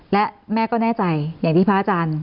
และแม่ก็แน่ใจอย่างที่พระอาจารย์